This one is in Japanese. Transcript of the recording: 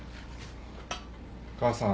お母さん